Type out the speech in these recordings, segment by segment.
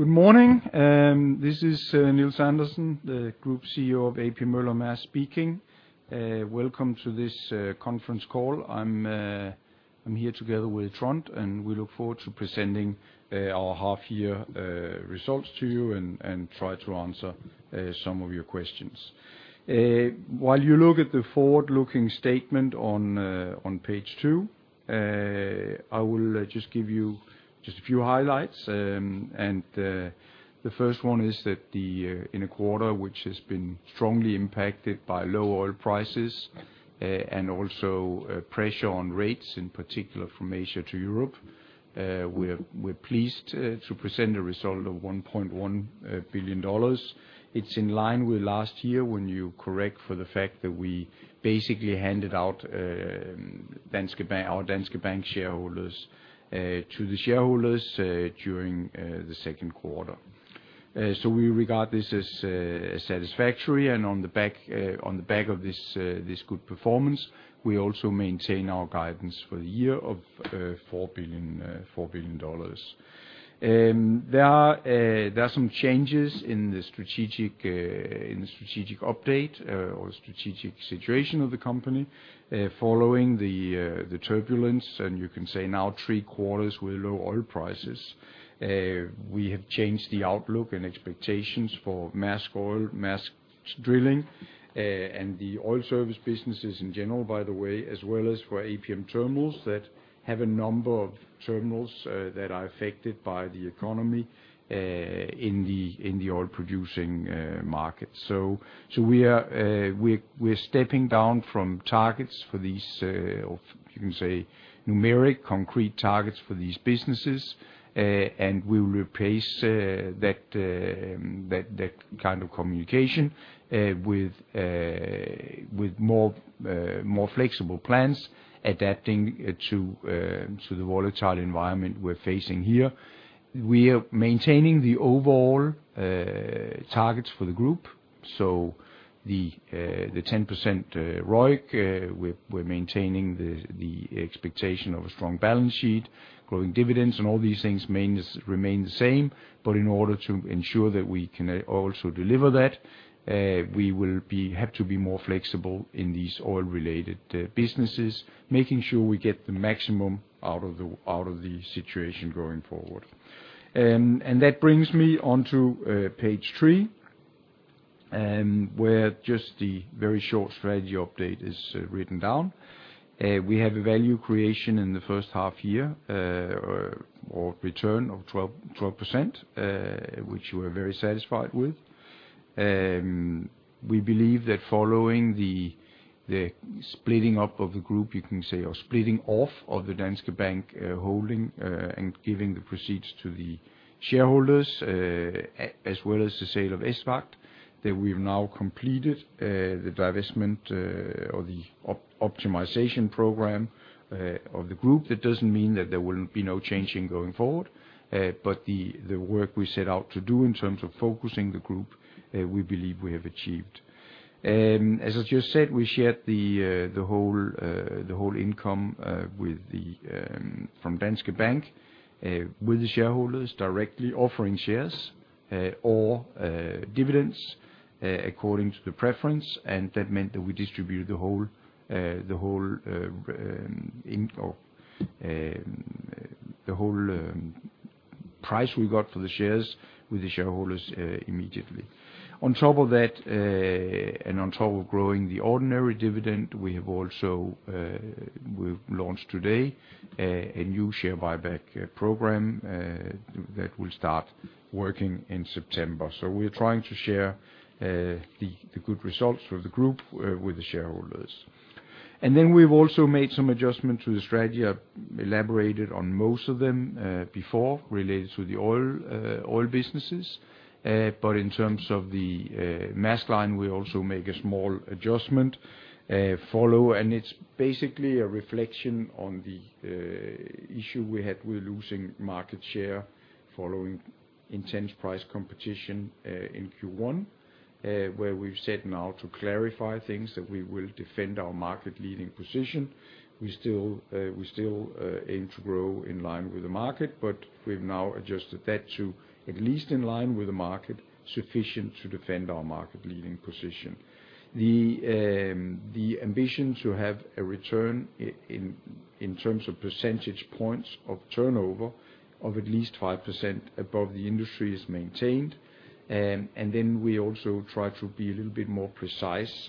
Good morning. This is Nils S. Andersen, the Group CEO of A.P. Møller - Mærsk speaking. Welcome to this conference call. I'm here together with Trond, and we look forward to presenting our half year results to you and try to answer some of your questions. While you look at the forward-looking statement on page two, I will just give you just a few highlights. The first one is that in a quarter which has been strongly impacted by low oil prices and also pressure on rates, in particular from Asia to Europe, we're pleased to present a result of $1.1 billion. It's in line with last year when you correct for the fact that we basically handed out Danske Bank, our Danske Bank shareholders, to the shareholders during the second quarter. We regard this as satisfactory and on the back of this good performance, we also maintain our guidance for the year of $4 billion. There are some changes in the strategic update or strategic situation of the company following the turbulence, and you can say now three quarters with low oil prices. We have changed the outlook and expectations for Maersk Oil, Maersk Drilling, and the oil service businesses in general, by the way, as well as for APM Terminals that have a number of terminals that are affected by the economy in the oil producing market. We are stepping down from targets for these, or you can say numeric concrete targets for these businesses. We will replace that kind of communication with more flexible plans adapting to the volatile environment we're facing here. We are maintaining the overall targets for the group. The 10% ROIC, we're maintaining the expectation of a strong balance sheet, growing dividends, and all these things remain the same. In order to ensure that we can also deliver that, we have to be more flexible in these oil-related businesses, making sure we get the maximum out of the situation going forward. That brings me onto page three, where just the very short strategy update is written down. We have a value creation in the first half year, or return of 12%, which we're very satisfied with. We believe that following the splitting up of the group, you can say, or splitting off of the Danske Bank holding, and giving the proceeds to the shareholders, as well as the sale of Esvagt, that we've now completed the divestment, or the optimization program, of the group. That doesn't mean that there will be no changing going forward. The work we set out to do in terms of focusing the group, we believe we have achieved. As I just said, we shared the whole income from Danske Bank with the shareholders directly, offering shares or dividends according to the preference. That meant that we distributed the whole price we got for the shares with the shareholders immediately. On top of that, and on top of growing the ordinary dividend, we have also launched today a new share buyback program that will start working in September. We are trying to share the good results for the group with the shareholders. We've also made some adjustment to the strategy. I've elaborated on most of them before related to the oil businesses. In terms of the Maersk Line, we also make a small adjustment, and it's basically a reflection on the issue we had. We're losing market share following intense price competition in Q1, where we've said now to clarify things, that we will defend our market leading position. We still aim to grow in line with the market, but we've now adjusted that to at least in line with the market sufficient to defend our market leading position. The ambition to have a return in terms of percentage points of turnover of at least 5% above the industry is maintained. We also try to be a little bit more precise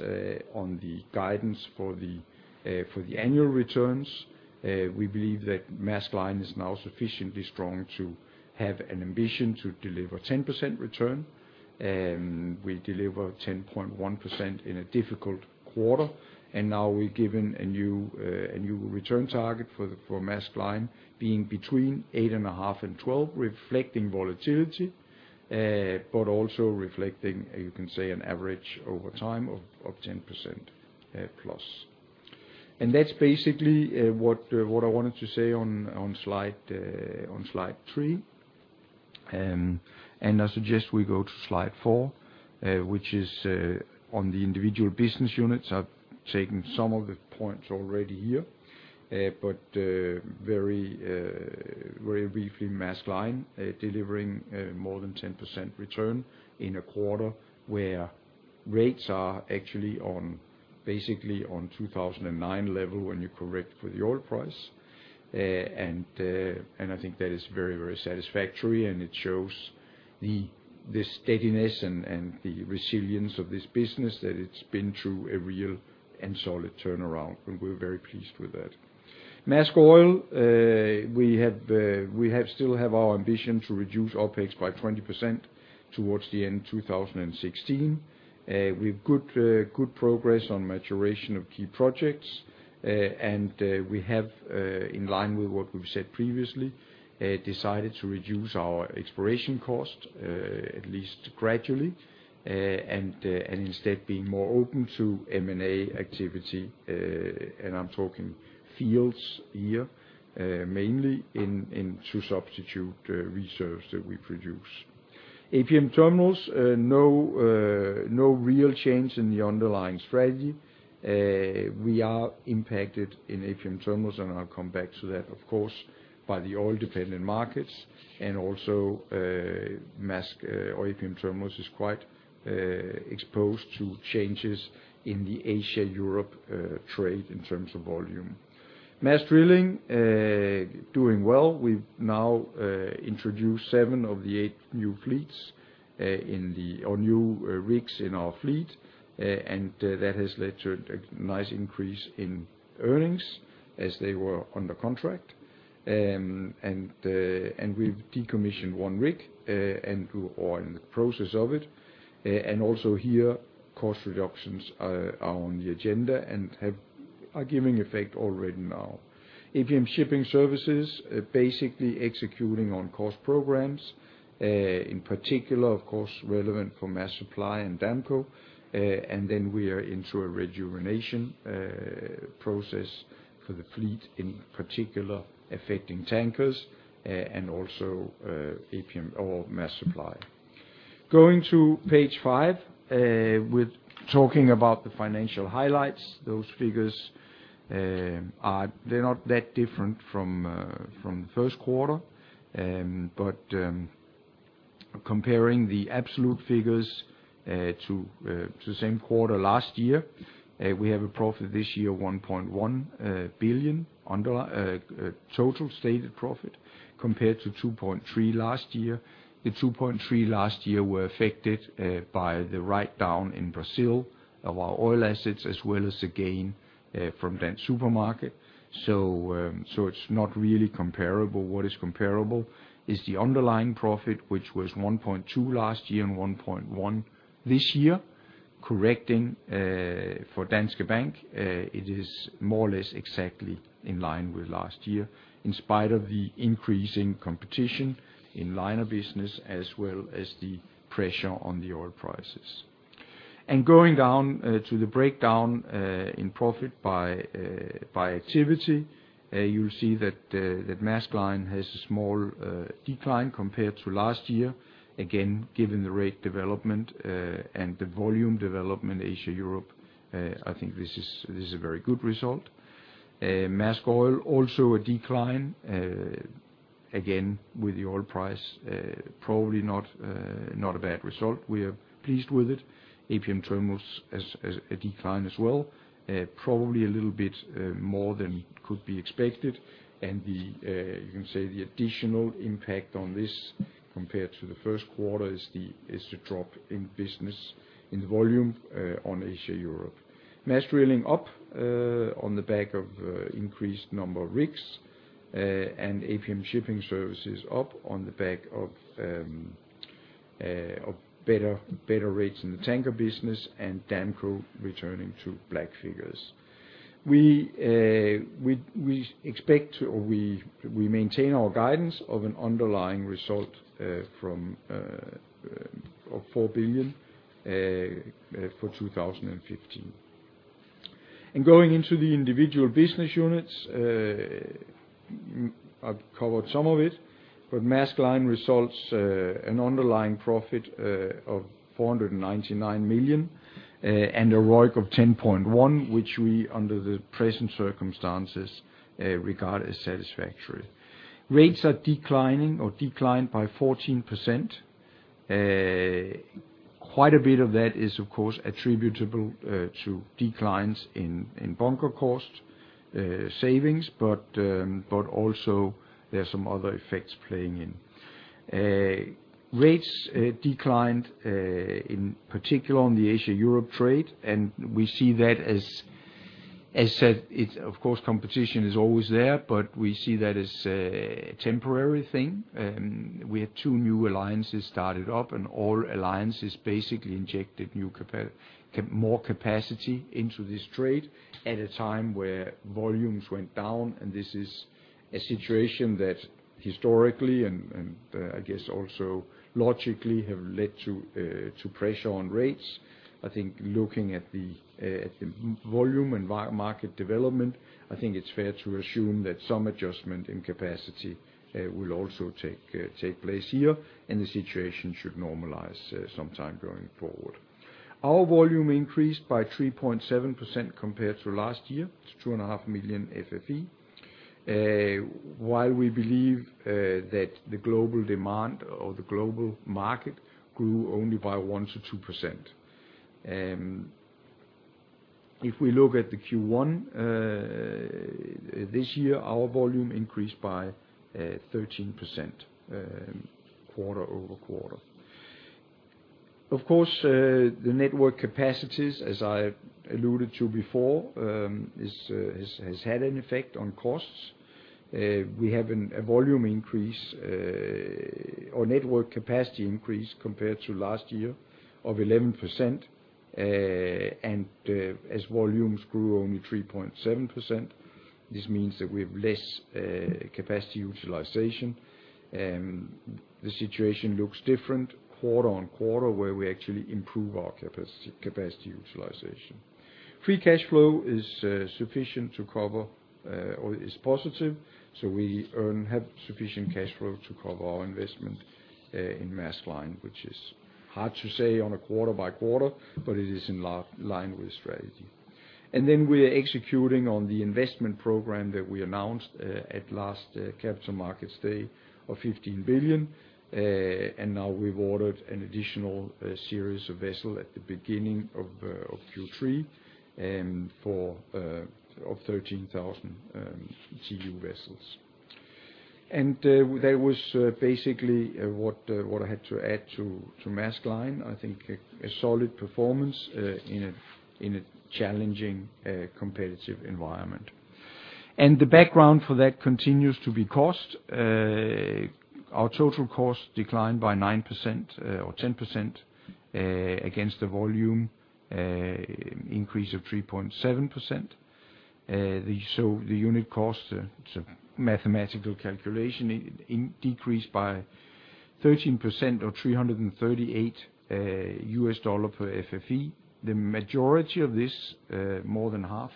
on the guidance for the annual returns. We believe that Maersk Line is now sufficiently strong to have an ambition to deliver 10% return. We deliver 10.1% in a difficult quarter. Now we're given a new return target for Maersk Line being between 8.5% and 12%, reflecting volatility, but also reflecting, you can say, an average over time of 10%+. That's basically what I wanted to say on slide three. I suggest we go to slide four, which is on the individual business units. I've taken some of the points already here. Very briefly, Maersk Line delivering more than 10% return in a quarter where rates are actually on, basically on 2009 level when you correct for the oil price. I think that is very satisfactory, and it shows the steadiness and the resilience of this business that it's been through a real and solid turnaround, and we're very pleased with that. Maersk Oil, we still have our ambition to reduce OPEX by 20% towards the end of 2016. We have good progress on maturation of key projects. We have, in line with what we've said previously, decided to reduce our exploration cost at least gradually. Instead being more open to M&A activity, and I'm talking fields here, mainly into substitute reserves that we produce. APM Terminals, no real change in the underlying strategy. We are impacted in APM Terminals, and I'll come back to that, of course, by the oil-dependent markets and also Maersk or APM Terminals is quite exposed to changes in the Asia-Europe trade in terms of volume. Maersk Drilling doing well. We've now introduced seven of the eight new rigs in our fleet. And that has led to a nice increase in earnings as they were under contract. We've decommissioned one rig, and we are in the process of it. Also here, cost reductions are on the agenda and are giving effect already now. APM Shipping Services are basically executing on cost programs, in particular, of course, relevant for Maersk Supply and Damco. Then we are into a rejuvenation process for the fleet, in particular affecting tankers, and also, APM or Maersk Supply. Going to page five, we're talking about the financial highlights. Those figures, they're not that different from first quarter. Comparing the absolute figures to the same quarter last year, we have a profit this year of $1.1 billion total stated profit compared to $2.3 billion last year. The $2.3 billion last year were affected by the write-down in Brazil of our oil assets, as well as the gain from Danske Bank. It's not really comparable. What is comparable is the underlying profit, which was $1.2 billion last year and $1.1 billion this year. Correcting for Danske Bank, it is more or less exactly in line with last year, in spite of the increasing competition in liner business as well as the pressure on the oil prices. Going down to the breakdown in profit by activity, you'll see that Maersk Line has a small decline compared to last year. Again, given the rate development and the volume development Asia/Europe, I think this is a very good result. Maersk Oil, also a decline. Again, with the oil price, probably not a bad result. We are pleased with it. APM Terminals has a decline as well. Probably a little bit more than could be expected. You can say the additional impact on this compared to the first quarter is the drop in business in volume on Asia/Europe. Maersk Drilling up on the back of increased number of rigs. APM Shipping Services up on the back of better rates in the tanker business and Damco returning to black figures. We expect or we maintain our guidance of an underlying result of $4 billion for 2015. Going into the individual business units, I've covered some of it, but Maersk Line results, an underlying profit of $499 million, and a ROIC of 10.1%, which we under the present circumstances regard as satisfactory. Rates are declining or declined by 14%. Quite a bit of that is of course attributable to declines in bunker cost savings, but also there are some other effects playing in. Rates declined in particular on the Asia/Europe trade, and we see that as said, it's of course competition is always there, but we see that as a temporary thing. We had two new alliances started up, and all alliances basically injected more capacity into this trade at a time where volumes went down. This is a situation that historically and I guess also logically have led to pressure on rates. I think looking at the volume and market development, I think it's fair to assume that some adjustment in capacity will also take place here, and the situation should normalize sometime going forward. Our volume increased by 3.7% compared to last year, to 2.5 million FFE. While we believe that the global demand or the global market grew only by 1%-2%. If we look at the Q1 this year, our volume increased by 13%, quarter-over-quarter. Of course, the network capacities, as I alluded to before, has had an effect on costs. We have a volume increase or network capacity increase compared to last year of 11%, and as volumes grew only 3.7%, this means that we have less capacity utilization. The situation looks different quarter-over-quarter, where we actually improve our capacity utilization. Free cash flow is sufficient to cover or is positive. We have sufficient cash flow to cover our investment in Maersk Line, which is hard to say on a quarter-by-quarter, but it is in line with strategy. We are executing on the investment program that we announced at last Capital Markets Day of $15 billion. Now we've ordered an additional series of vessel at the beginning of Q3 for 13,000 TEU vessels. that was basically what I had to add to Maersk Line. I think a solid performance in a challenging competitive environment. The background for that continues to be cost. Our total cost declined by 9% or 10% against the volume increase of 3.7%. The unit cost, it's a mathematical calculation, it decreased by 13% or $338 per FFE. The majority of this, more than half,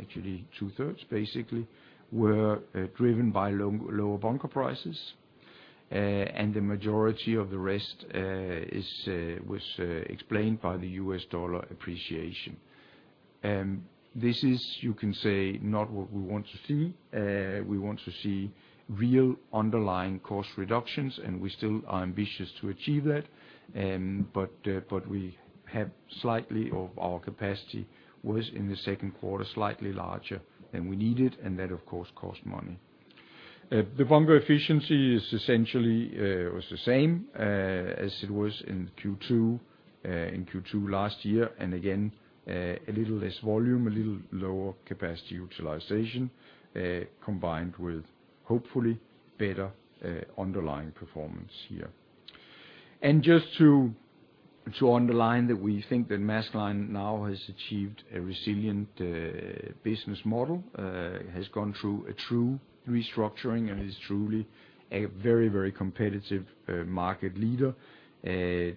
actually 2/3, basically, were driven by lower bunker prices. The majority of the rest was explained by the US dollar appreciation. This is, you can say, not what we want to see. We want to see real underlying cost reductions, and we still are ambitious to achieve that. We had slightly more of our capacity in the second quarter, slightly larger than we needed, and that of course cost money. The bunker efficiency was essentially the same as it was in Q2 last year. Again, a little less volume, a little lower capacity utilization, combined with hopefully better underlying performance here. Just to underline that we think that Maersk Line now has achieved a resilient business model, has gone through a true restructuring and is truly a very, very competitive market leader.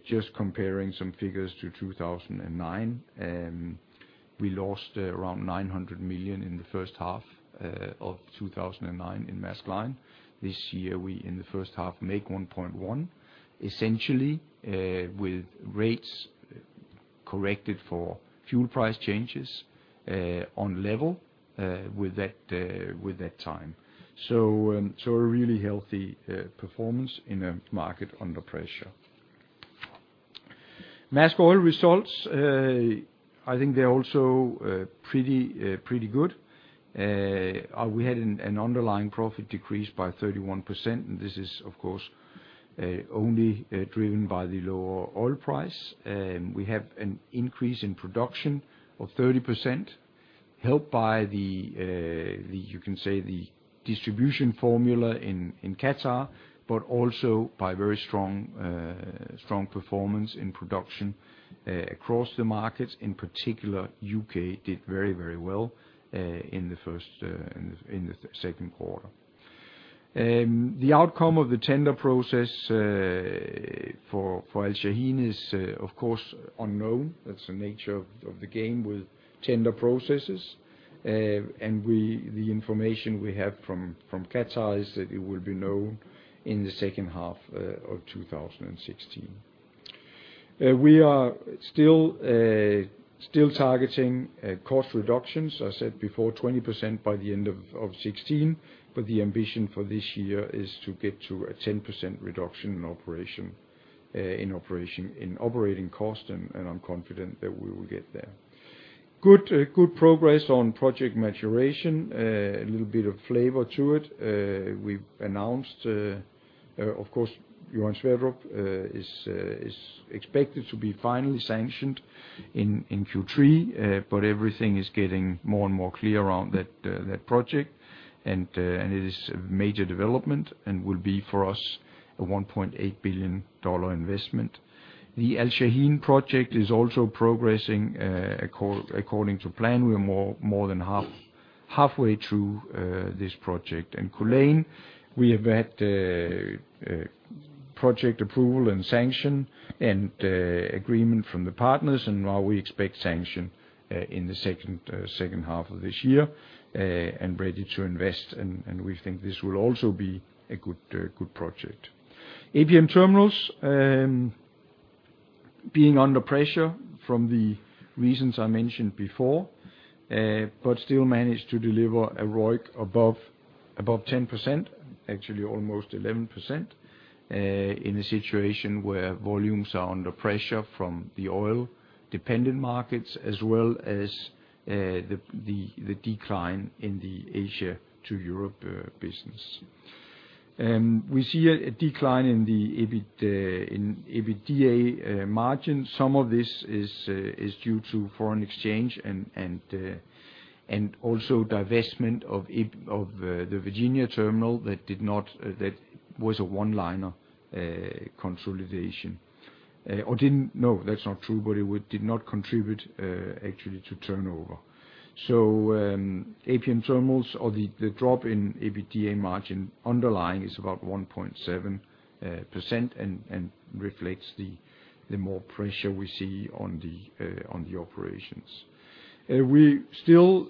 Just comparing some figures to 2009, we lost around $900 million in the first half of 2009 in Maersk Line. This year, we in the first half make 1.1%, essentially, with rates corrected for fuel price changes, on level, with that time. A really healthy performance in a market under pressure. Maersk Oil results, I think they're also pretty good. We had an underlying profit decrease by 31%, and this is, of course, only driven by the lower oil price. We have an increase in production of 30% helped by the, you can say, the distribution formula in Qatar, but also by very strong performance in production across the markets. In particular, U.K. did very well in the second quarter. The outcome of the tender process for Al Shaheen is of course unknown. That's the nature of the game with tender processes. The information we have from Qatar is that it will be known in the second half of 2016. We are still targeting cost reductions. I said before 20% by the end of 2016, but the ambition for this year is to get to a 10% reduction in operating cost, and I'm confident that we will get there. Good progress on project maturation. A little bit of flavor to it. We've announced, of course, Johan Sverdrup is expected to be finally sanctioned in Q3. Everything is getting more and more clear around that project. It is a major development and will be for us a $1.8 billion investment. The Al Shaheen project is also progressing according to plan. We are more than halfway through this project in Culzean. We have had project approval and sanction and agreement from the partners, and now we expect sanction in the second half of this year and ready to invest, and we think this will also be a good project. APM Terminals, being under pressure from the reasons I mentioned before, but still managed to deliver a ROIC above 10%, actually almost 11%, in a situation where volumes are under pressure from the oil-dependent markets as well as the decline in the Asia to Europe business. We see a decline in the EBITDA in EBITDA margin. Some of this is due to foreign exchange and also divestment of the Virginia terminal that did not contribute actually to turnover. APM Terminals or the drop in EBITDA margin underlying is about 1.7% and reflects the more pressure we see on the operations. We still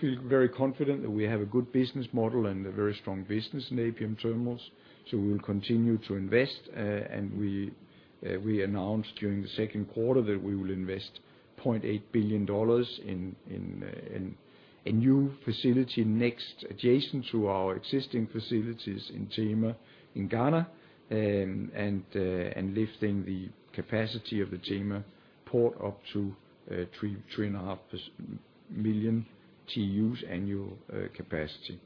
feel very confident that we have a good business model and a very strong business in APM Terminals, so we will continue to invest. We announced during the second quarter that we will invest $0.8 billion in a new facility next adjacent to our existing facilities in Tema, in Ghana, and lifting the capacity of the Tema port up to 3 million-3.5 million TEUs annual capacity,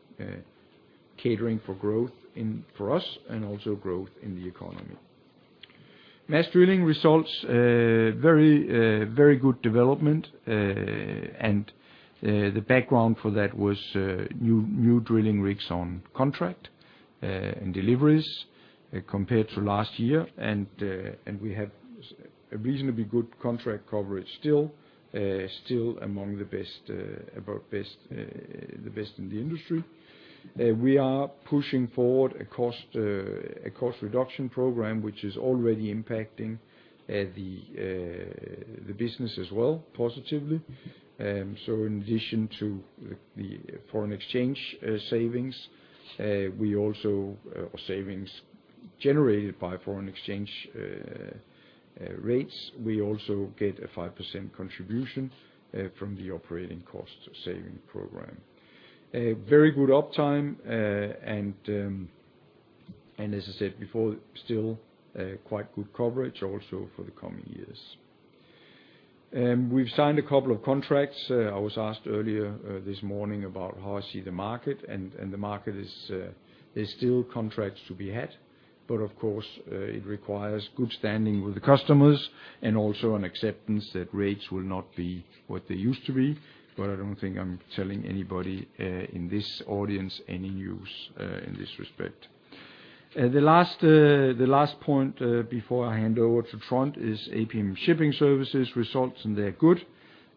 catering for growth in for us and also growth in the economy. Maersk Drilling results very good development, and the background for that was new drilling rigs on contract and deliveries compared to last year. We have a reasonably good contract coverage still among the best in the industry. We are pushing forward a cost reduction program, which is already impacting the business as well positively. In addition to the foreign exchange savings, or savings generated by foreign exchange rates, we also get a 5% contribution from the operating cost saving program. A very good uptime, and as I said before, still quite good coverage also for the coming years. We've signed a couple of contracts. I was asked earlier this morning about how I see the market, and the market is, there's still contracts to be had, but of course, it requires good standing with the customers and also an acceptance that rates will not be what they used to be. I don't think I'm telling anybody in this audience any news in this respect. The last point before I hand over to Trond is APM Shipping Services results, and they are good.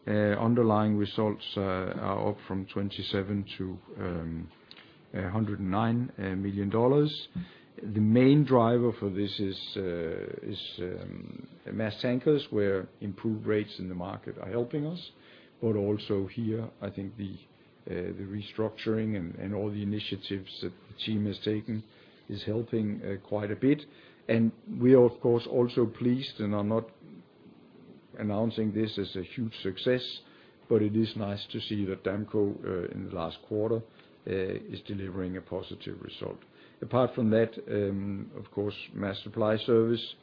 Underlying results are up from $27 million - $109 million. The main driver for this is Maersk Tankers, where improved rates in the market are helping us. Also here, I think the restructuring and all the initiatives that the team has taken is helping quite a bit. We are of course also pleased and are not announcing this as a huge success, but it is nice to see that Damco in the last quarter is delivering a positive result. Apart from that, of course, Maersk Supply Service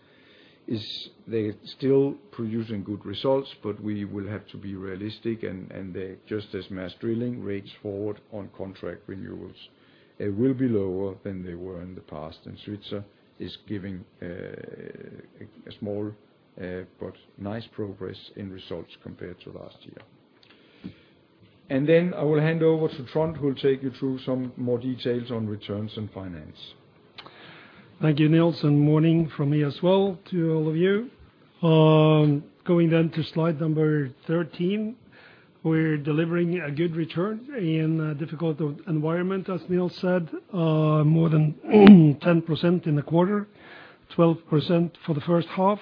is—they're still producing good results, but we will have to be realistic and just as Maersk Drilling, rates going forward on contract renewals will be lower than they were in the past. Svitzer is giving a small but nice progress in results compared to last year. I will hand over to Trond, who will take you through some more details on returns and finance. Thank you, Nils, and morning from me as well to all of you. Going to slide number 13, we're delivering a good return in a difficult environment, as Nils said, more than 10% in the quarter, 12% for the first half.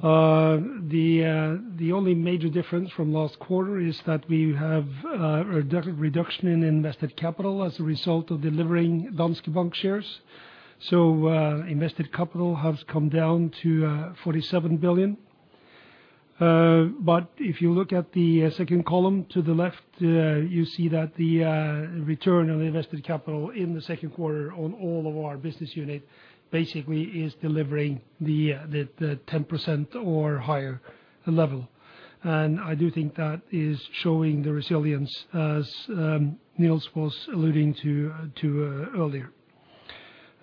The only major difference from last quarter is that we have a reduction in invested capital as a result of delivering Danske Bank shares. Invested capital has come down to $47 billion. If you look at the second column to the left, you see that the return on invested capital in the second quarter on all of our business unit basically is delivering the 10% or higher level. I do think that is showing the resilience, as Nils was alluding to earlier.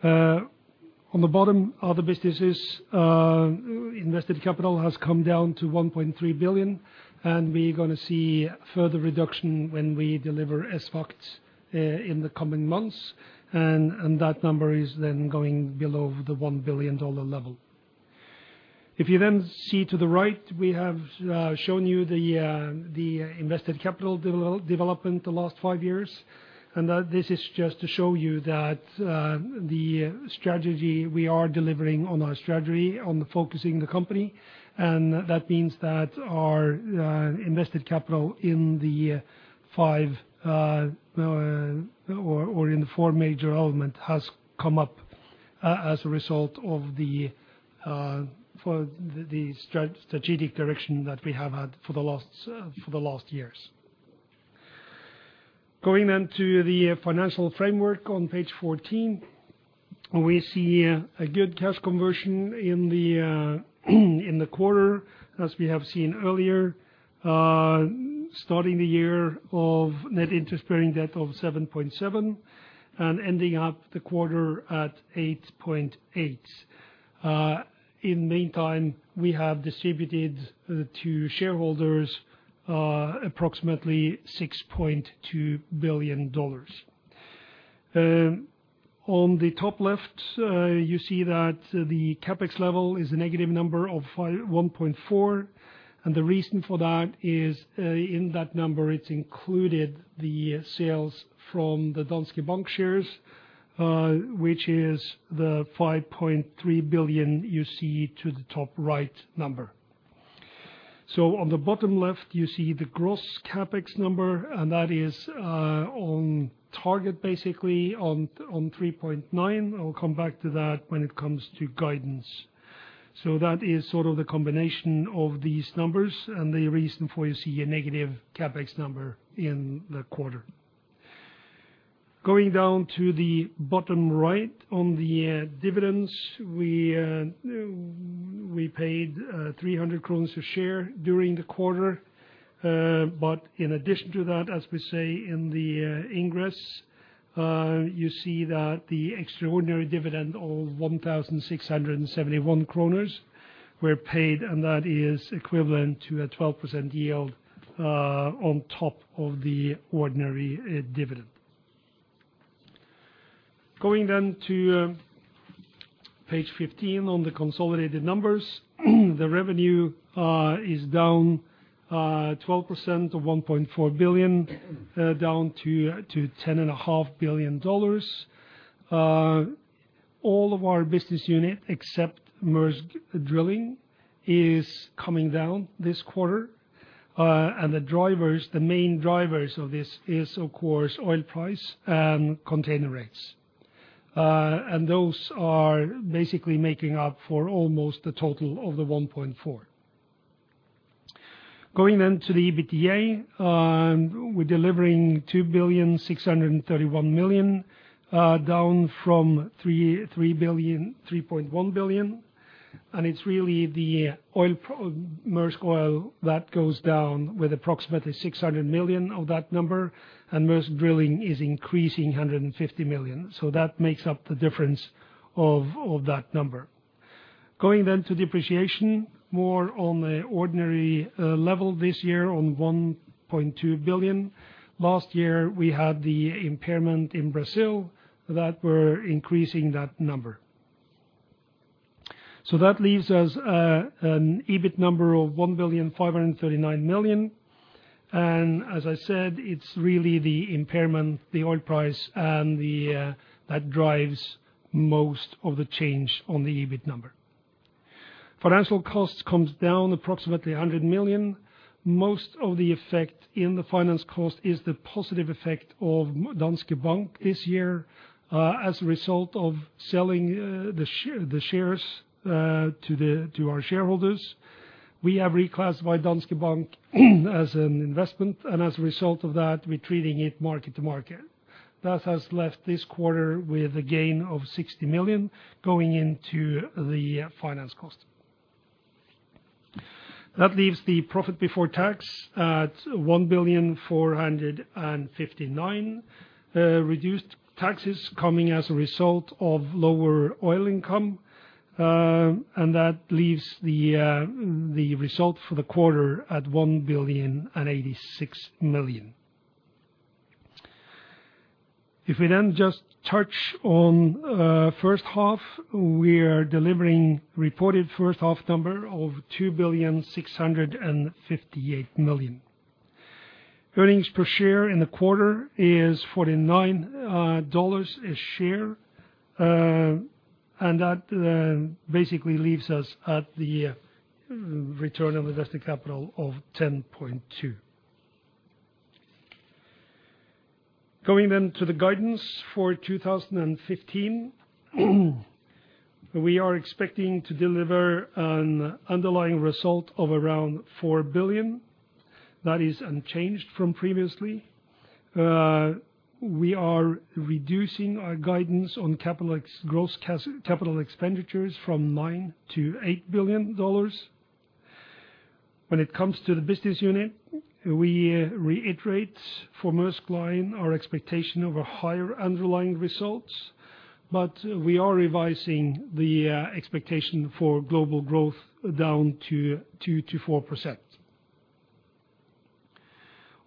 On the bottom, Other Businesses, invested capital has come down to $1.3 billion, and we're gonna see further reduction when we deliver Esvagt in the coming months. That number is then going below the $1 billion level. If you then see to the right, we have shown you the invested capital development the last five years. That this is just to show you that the strategy we are delivering on our strategy on focusing the company, and that means that our invested capital in the five or in the four major element has come up as a result of the strategic direction that we have had for the last years. Going to the financial framework on page 14, we see a good cash conversion in the quarter, as we have seen earlier. Starting the year with net interest-bearing debt of $7.7 billion, and ending the quarter at $8.8 billion. In the meantime, we have distributed to shareholders approximately $6.2 billion. On the top left, you see that the CapEx level is a negative number of $1.4 billion, and the reason for that is, in that number it's included the sales from the Danske Bank shares, which is the $5.3 billion you see to the top right number. On the bottom left, you see the gross CapEx number, and that is on target basically on $3.9 billion. I'll come back to that when it comes to guidance. That is sort of the combination of these numbers and the reason for you see a negative CapEx number in the quarter. Going down to the bottom right on the dividends, we paid 300 DKK a share during the quarter. In addition to that, as we say in the ingress, you see that the extraordinary dividend of 1,671 kroner were paid, and that is equivalent to a 12% yield on top of the ordinary dividend. Going to page 15 on the consolidated numbers. The revenue is down 12% to $1.4 billion, down to $10.5 billion. All of our business unit, except Maersk Drilling, is coming down this quarter. The drivers, the main drivers of this is, of course, oil price and container rates. Those are basically making up for almost the total of the $1.4 billion. Going to the EBITDA, we're delivering $2.631 billion, down from $3.3 billion, $3.1 billion. It's really Maersk Oil that goes down with approximately $600 million of that number, and Maersk Drilling is increasing $150 million. That makes up the difference of that number. Going to depreciation, more on the ordinary level this year on $1.2 billion. Last year, we had the impairment in Brazil that were increasing that number. That leaves us an EBIT number of $1.539 billion. As I said, it's really the impairment, the oil price, and that drives most of the change on the EBIT number. Financial costs comes down approximately $100 million. Most of the effect in the finance cost is the positive effect of Danske Bank this year, as a result of selling the shares to our shareholders. We have reclassified Danske Bank as an investment, and as a result of that, we're treating it mark to market. That has left this quarter with a gain of $60 million going into the finance cost. That leaves the profit before tax at $1.459 billion. Reduced taxes coming as a result of lower oil income, and that leaves the result for the quarter at $1.086 billion. If we just touch on first half, we are delivering reported first half number of $2,658 million. Earnings per share in the quarter is $49 a share, and that basically leaves us at the return on invested capital of 10.2%. Going to the guidance for 2015. We are expecting to deliver an underlying result of around $4 billion. That is unchanged from previously. We are reducing our guidance on capital expenditures from $9 billion - $8 billion. When it comes to the business unit, we reiterate for Maersk Line our expectation of a higher underlying results, but we are revising the expectation for global growth down to 2%-4%.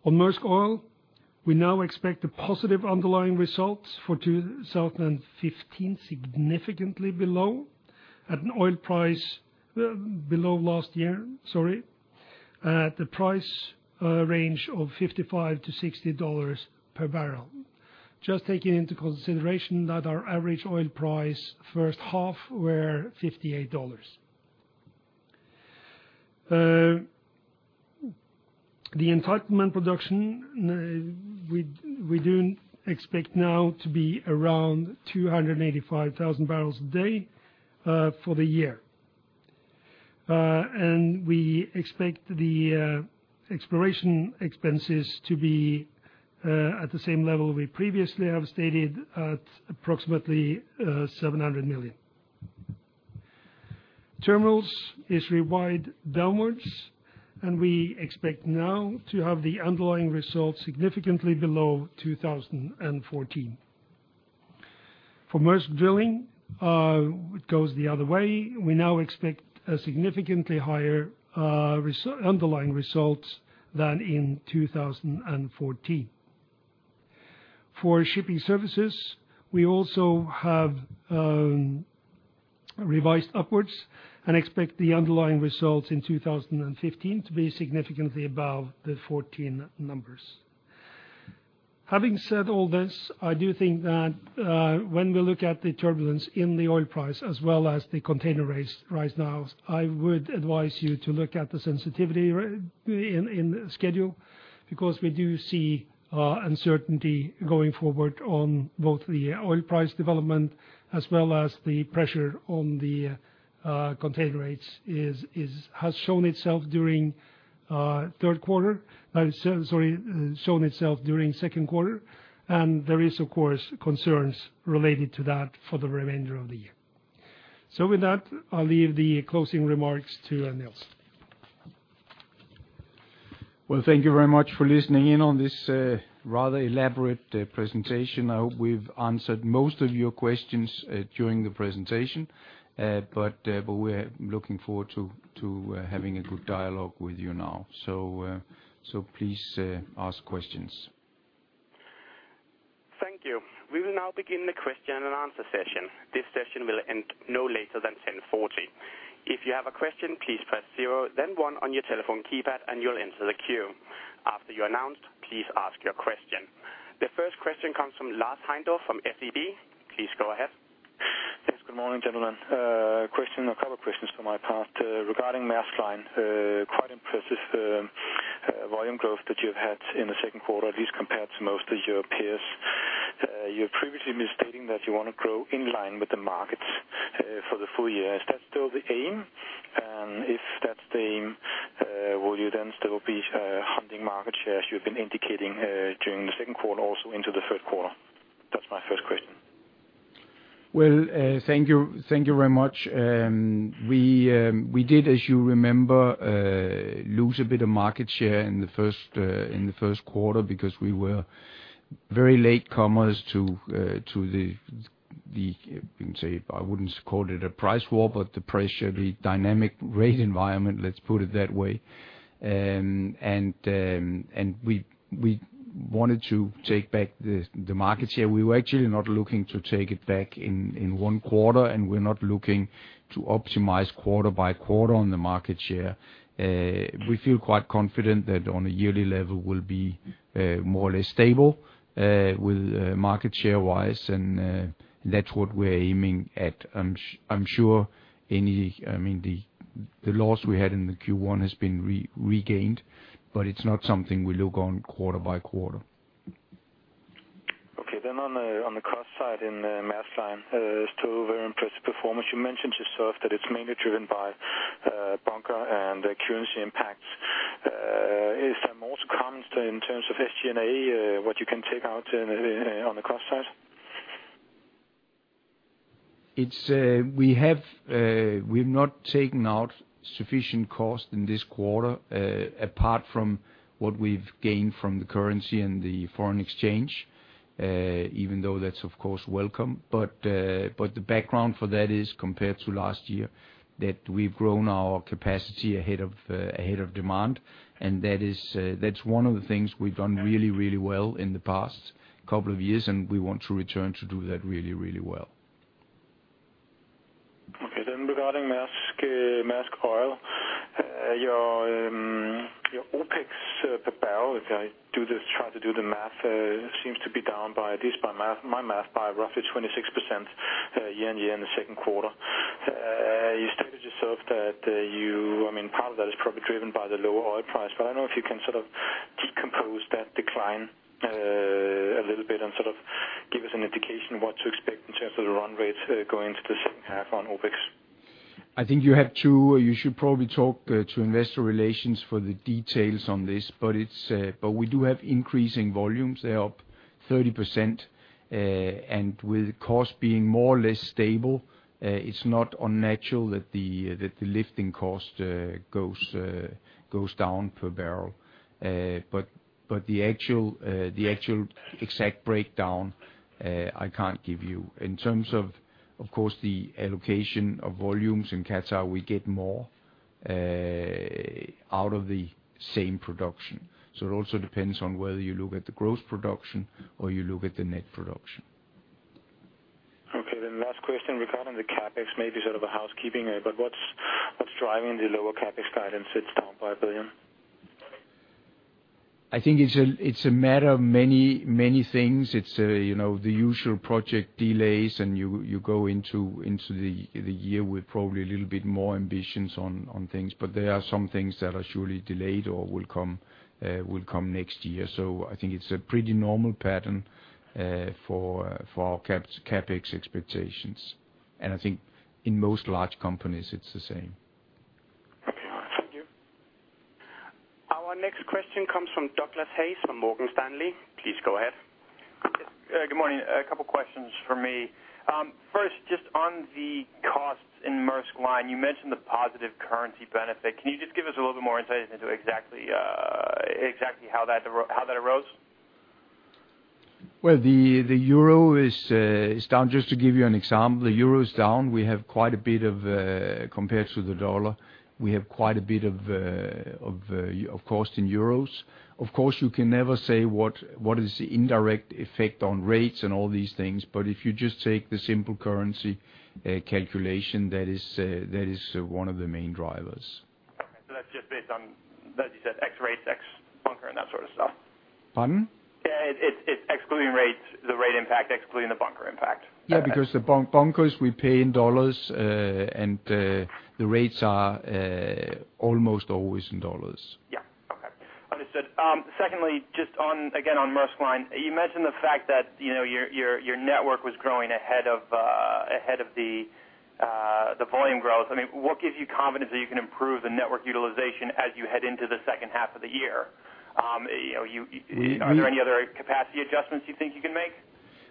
On Maersk Oil, we now expect a positive underlying results for 2015, significantly below, at an oil price below last year, sorry. At the price range of $55-$60 per barrel. Just taking into consideration that our average oil price first half were $58. The entitlement production we do expect now to be around 285,000 barrels a day for the year. We expect the exploration expenses to be at the same level we previously have stated, at approximately $700 million. Terminals is revised downwards, and we expect now to have the underlying results significantly below 2014. For Maersk Drilling, it goes the other way. We now expect a significantly higher underlying results than in 2014. For shipping services, we also have revised upwards, and expect the underlying results in 2015 to be significantly above the 2014 numbers. Having said all this, I do think that when we look at the turbulence in the oil price as well as the container rates right now, I would advise you to look at the sensitivity in the schedule, because we do see uncertainty going forward on both the oil price development as well as the pressure on the container rates is has shown itself during third quarter. Sorry, shown itself during second quarter, and there is of course concerns related to that for the remainder of the year. With that, I'll leave the closing remarks to Nils. Well, thank you very much for listening in on this rather elaborate presentation. I hope we've answered most of your questions during the presentation. But we're looking forward to having a good dialogue with you now. Please ask questions. Thank you. We will now begin the question and answer session. This session will end no later than 10:40 A.M. If you have a question, please press zero then one on your telephone keypad, and you'll enter the queue. After you're announced, please ask your question. The first question comes from Lars Heindorff from SEB. Please go ahead. Yes. Good morning, gentlemen. Question or couple questions from my part. Regarding Maersk Line, quite impressive volume growth that you've had in the second quarter at least compared to most of your peers. You're previously stating that you wanna grow in line with the markets for the full year. Is that still the aim? If that's the aim, will you then still be hunting market shares you've been indicating during the second quarter also into the third quarter? That's my first question. Well, thank you. Thank you very much. We did, as you remember, lose a bit of market share in the first quarter because we were very latecomers to the, you can say, I wouldn't call it a price war, but the pressure, the dynamic rate environment, let's put it that way. We wanted to take back the market share. We were actually not looking to take it back in one quarter, and we're not looking to optimize quarter by quarter on the market share. We feel quite confident that on a yearly level we'll be more or less stable with market share-wise, and that's what we're aiming at. I'm sure any, I mean, the loss we had in Q1 has been regained, but it's not something we look on quarter by quarter. Okay. On the cost side in Maersk Line, still very impressive performance. You mentioned yourself that it's mainly driven by bunker and currency impacts. Is there more to come in terms of SG&A, what you can take out on the cost side? We have not taken out sufficient cost in this quarter, apart from what we've gained from the currency and the foreign exchange, even though that's of course welcome. The background for that is compared to last year, that we've grown our capacity ahead of demand, and that's one of the things we've done really, really well in the past couple of years, and we want to return to do that really, really well. Okay. Regarding Maersk Oil, your OPEX per barrel, if I do this, try to do the math, seems to be down by at least, by my math, by roughly 26%, year-on-year in the second quarter. You stated yourself that you, I mean, part of that is probably driven by the lower oil price, but I don't know if you can sort of decompose that decline a little bit and sort of give us an indication of what to expect in terms of the run rates going into the second half on OPEX. I think you have to, you should probably talk to investor relations for the details on this, but we do have increasing volumes. They're up 30%. With cost being more or less stable, it's not unnatural that the lifting cost goes down per barrel. But the actual exact breakdown, I can't give you. In terms of course, the allocation of volumes in Qatar, we get more out of the same production. It also depends on whether you look at the gross production or you look at the net production. Okay, last question regarding the CapEx, maybe sort of a housekeeping, but what's driving the lower CapEx guidance? It's down $5 billion. I think it's a matter of many, many things. It's you know the usual project delays, and you go into the year with probably a little bit more ambitions on things. But there are some things that are surely delayed or will come next year. I think it's a pretty normal pattern for CapEx expectations. I think in most large companies, it's the same. Okay, thank you. Our next question comes from Douglas Hays from Morgan Stanley. Please go ahead. Good morning. A couple of questions from me. First, just on the costs in Maersk Line, you mentioned the positive currency benefit. Can you just give us a little bit more insight into exactly how that arose? Well, the Euro is down. Just to give you an example, the Euro is down. We have quite a bit of cost in Euros compared to the dollar. Of course, you can never say what is the indirect effect on rates and all these things, but if you just take the simple currency calculation, that is one of the main drivers. That's just based on, as you said, ex-rates, ex-bunker and that sort of stuff? Pardon? Yeah. It's excluding rates, the rate impact, excluding the bunker impact. Yeah, because the bunkers we pay in dollars, and the rates are almost always in dollars. Yeah. Okay. Understood. Secondly, just on, again, on Maersk Line, you mentioned the fact that your network was growing ahead of the volume growth. I mean, what gives you confidence that you can improve the network utilization as you head into the second half of the year? We- Are there any other capacity adjustments you think you can make?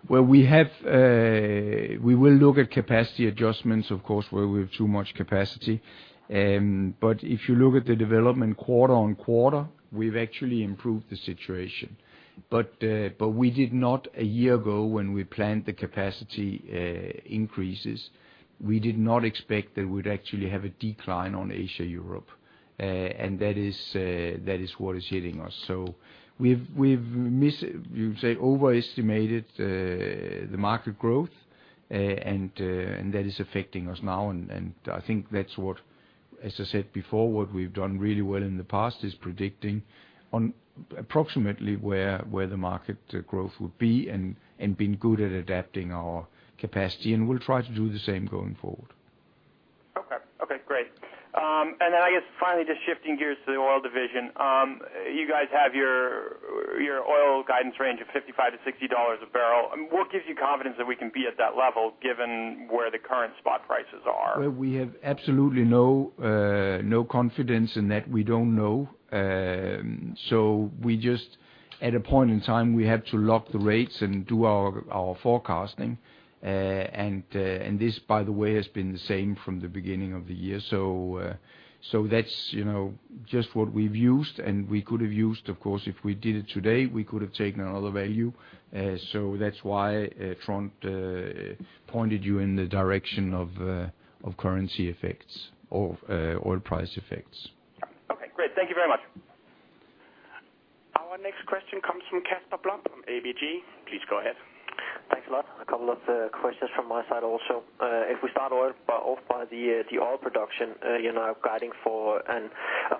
We will look at capacity adjustments, of course, where we have too much capacity. If you look at the development quarter-over-quarter, we've actually improved the situation. We did not, a year ago when we planned the capacity increases, expect that we'd actually have a decline on Asia-Europe. That is what is hitting us. We've, you say, overestimated the market growth, and that is affecting us now. I think that's what, as I said before, what we've done really well in the past is predicting approximately where the market growth would be and been good at adapting our capacity, and we'll try to do the same going forward. I guess finally, just shifting gears to the oil division, you guys have your oil guidance range of $55-$60 a barrel. What gives you confidence that we can be at that level given where the current spot prices are? Well, we have absolutely no confidence in that. We don't know. We just at a point in time, we have to lock the rates and do our forecasting. This, by the way, has been the same from the beginning of the year. That's, you know, just what we've used, and we could have used, of course, if we did it today, we could have taken another value. That's why Trond pointed you in the direction of currency effects or oil price effects. Okay, great. Thank you very much. Our next question comes from Casper Blom from ABG. Please go ahead. Thanks a lot. A couple of questions from my side also. If we start off by the oil production, you're now guiding for a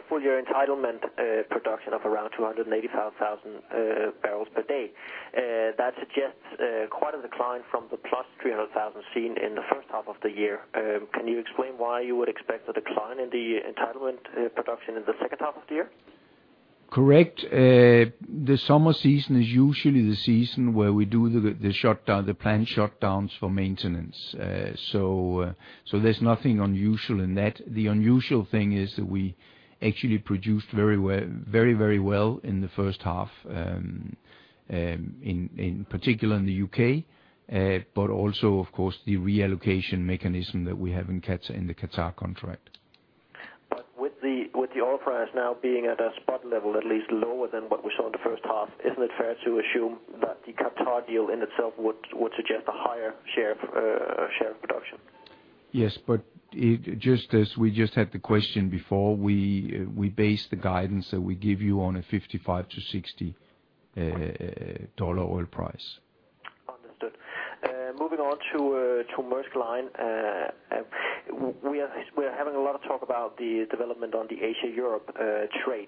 full year entitlement production of around 285,000 barrels per day. That suggests quite a decline from the +300,000 seen in the first half of the year. Can you explain why you would expect a decline in the entitlement production in the second half of the year? Correct. The summer season is usually the season where we do the shutdown, the planned shutdowns for maintenance. There's nothing unusual in that. The unusual thing is that we actually produced very well in the first half, in particular in the U.K., but also of course, the reallocation mechanism that we have in Qatar, in the Qatar contract. With the oil price now being at a spot level, at least lower than what we saw in the first half, isn't it fair to assume that the Qatar deal in itself would suggest a higher share of production? Just as we just had the question before, we base the guidance that we give you on a $55-$60 oil price. Understood. Moving on to Maersk Line, we are having a lot of talk about the development on the Asia-Europe trade.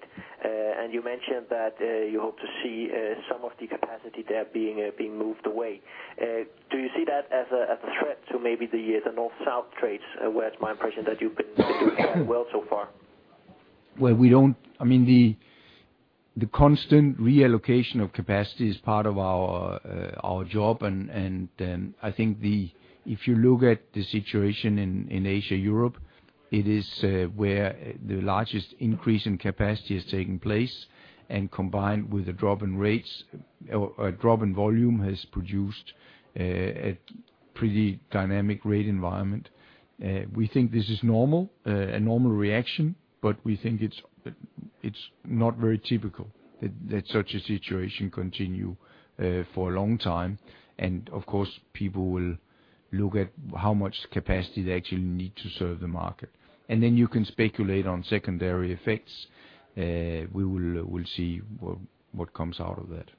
You mentioned that you hope to see some of the capacity there being moved away. Do you see that as a threat to maybe the North-South trades, where it's my impression that you've been doing well so far? Well, I mean, the constant reallocation of capacity is part of our job and I think if you look at the situation in Asia-Europe, it is where the largest increase in capacity is taking place and combined with a drop in rates or a drop in volume has produced a pretty dynamic rate environment. We think this is normal, a normal reaction, but we think it's not very typical that such a situation continue for a long time. Of course, people will look at how much capacity they actually need to serve the market. Then you can speculate on secondary effects. We will, we'll see what comes out of that.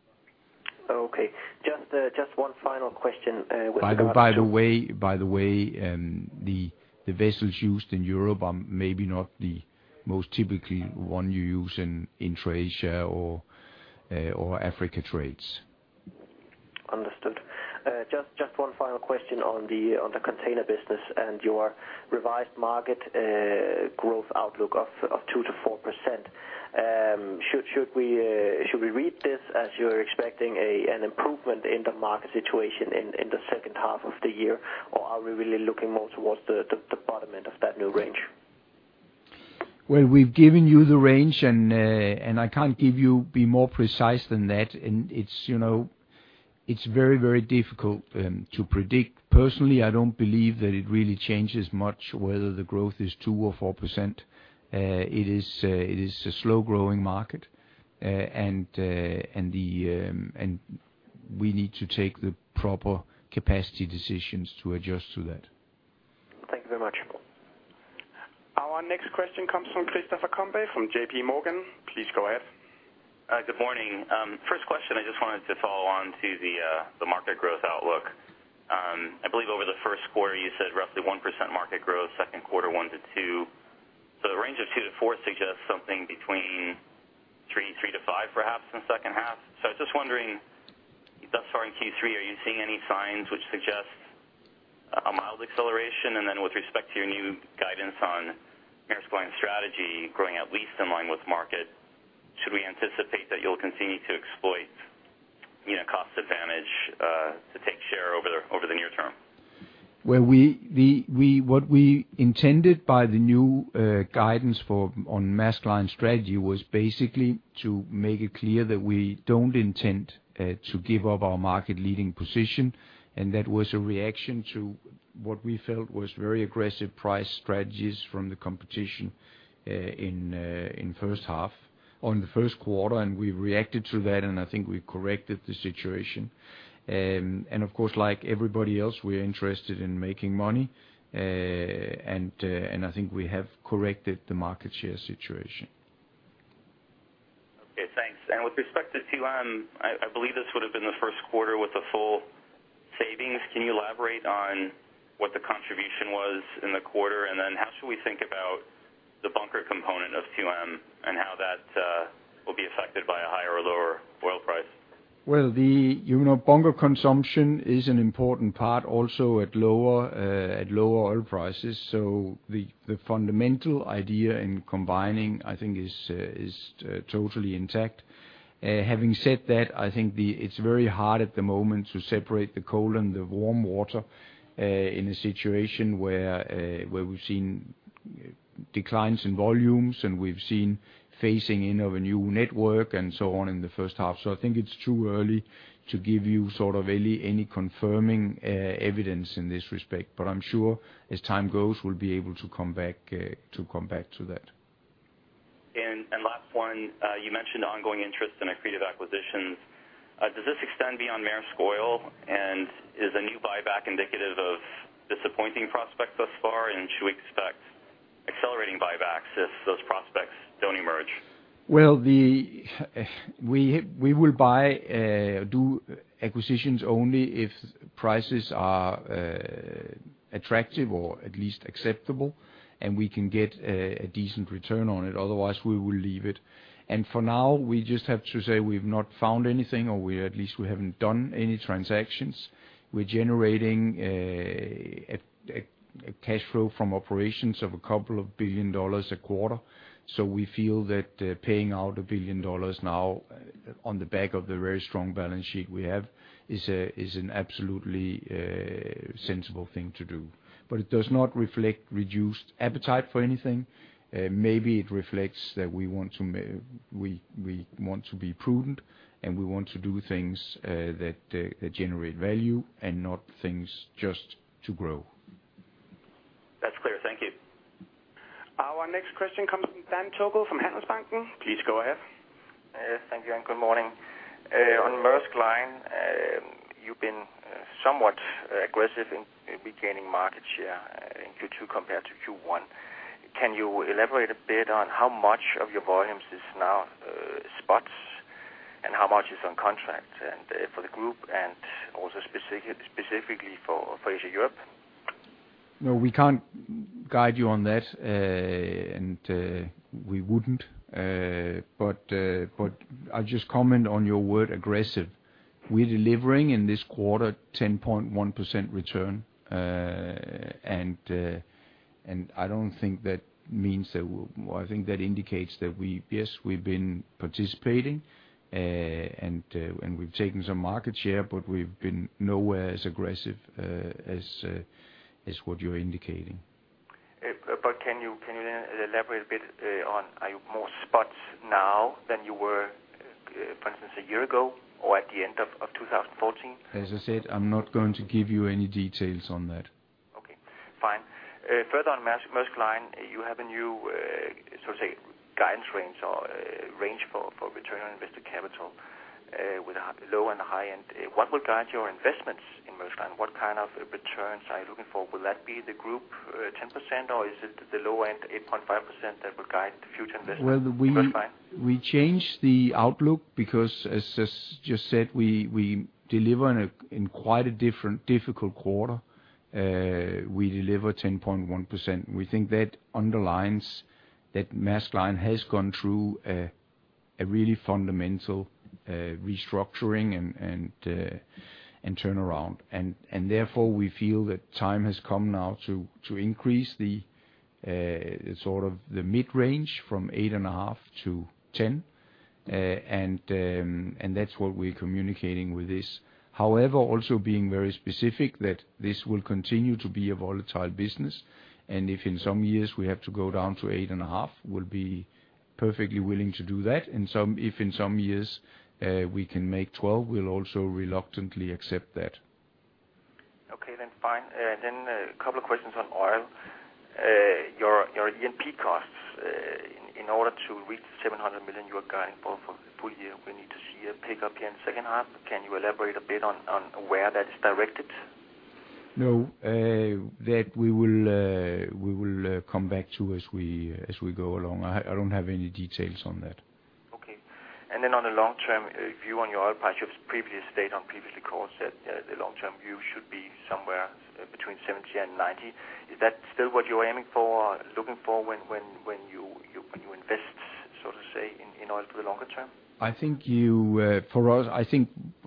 Oh, okay. Just one final question, with regard to- By the way, the vessels used in Europe are maybe not the most typically one you use in trades here or Africa trades. Understood. Just one final question on the container business and your revised market growth outlook of 2%-4%. Should we read this as you're expecting an improvement in the market situation in the second half of the year? Are we really looking more towards the bottom end of that new range? Well, we've given you the range, and I can't be more precise than that. It's, you know, very difficult to predict. Personally, I don't believe that it really changes much whether the growth is 2% or 4%. It is a slow growing market. We need to take the proper capacity decisions to adjust to that. Thank you very much. Our next question comes from Christopher Combe from JPMorgan. Please go ahead. Good morning. First question, I just wanted to follow on to the market growth outlook. I believe over the first quarter you said roughly 1% market growth, second quarter, 1%-2%. The range of 2%-4% suggests something between 3%-5% perhaps in the second half. I was just wondering, thus far in Q3, are you seeing any signs which suggest a mild acceleration? With respect to your new guidance on Maersk Line strategy growing at least in line with market, should we anticipate that you'll continue to exploit, you know, cost advantage to take share over the near term? Well, what we intended by the new guidance on Maersk Line strategy was basically to make it clear that we don't intend to give up our market leading position. That was a reaction to what we felt was very aggressive price strategies from the competition in first half, in the first quarter, and we reacted to that, and I think we corrected the situation. Of course, like everybody else, we're interested in making money. I think we have corrected the market share situation. Okay, thanks. With respect to 2M, I believe this would've been the first quarter with the full savings. Can you elaborate on what the contribution was in the quarter? How should we think about the bunker component of 2M and how that will be affected by a higher or lower oil price? Well, you know, bunker consumption is an important part also at lower oil prices. The fundamental idea in combining, I think, is totally intact. Having said that, I think it's very hard at the moment to separate the cold and the warm water in a situation where we've seen declines in volumes, and we've seen phasing in of a new network and so on in the first half. I think it's too early to give you sort of any confirming evidence in this respect. I'm sure as time goes, we'll be able to come back to that. Last one, you mentioned ongoing interest in accretive acquisitions. Does this extend beyond Maersk Oil? Is the new buyback indicative of disappointing prospects thus far? Should we expect accelerating buybacks if those prospects don't emerge? We will buy or do acquisitions only if prices are attractive or at least acceptable, and we can get a decent return on it. Otherwise, we will leave it. For now, we just have to say we've not found anything, or at least we haven't done any transactions. We're generating a cash flow from operations of $2 billion a quarter. We feel that paying out $1 billion now on the back of the very strong balance sheet we have is an absolutely sensible thing to do. It does not reflect reduced appetite for anything. Maybe it reflects that we want to be prudent, and we want to do things that generate value and not things just to grow. That's clear. Thank you. Our next question comes from Dan Tøgel from Handelsbanken. Please go ahead. Yes, thank you, and good morning. On Maersk Line, you've been somewhat aggressive in regaining market share in Q2 compared to Q1. Can you elaborate a bit on how much of your volumes is now spots and how much is on contract and for the group and also specifically for Asia Europe? No, we can't guide you on that. We wouldn't. I'll just comment on your word aggressive. We're delivering in this quarter 10.1% return. I don't think that means that we're, well, I think that indicates that we, yes, we've been participating, and we've taken some market share, but we've been nowhere as aggressive as what you're indicating. Can you elaborate a bit. Are you more exposed now than you were, for instance, a year ago or at the end of 2014? As I said, I'm not going to give you any details on that. Okay. Fine. Further on Maersk Line, you have a new so-called guidance range for return on invested capital. With a low and high end, what will guide your investments in Maersk Line? What kind of returns are you looking for? Will that be the group 10%, or is it the low end 8.5% that will guide the future investments in Maersk Line? Well, we change the outlook because as just said, we deliver in a quite different difficult quarter. We deliver 10.1%. We think that underlines that Maersk Line has gone through a really fundamental restructuring and turnaround. Therefore, we feel that time has come now to increase the sort of the mid-range from 8.5%-10%. That's what we're communicating with this. However, also being very specific that this will continue to be a volatile business, and if in some years we have to go down to 8.5%, we'll be perfectly willing to do that. If in some years we can make 12%, we'll also reluctantly accept that. Okay, fine. A couple of questions on oil. Your exploration costs in order to reach $700 million you are guiding for full year, we need to see a pickup here in the second half. Can you elaborate a bit on where that is directed? No. That we will come back to as we go along. I don't have any details on that. Okay. On the long term, if you on your oil price, you've previously stated on previous calls that the long term view should be somewhere between $70 and $90. Is that still what you're aiming for, looking for when you invest, so to say in oil for the longer term? I think for us,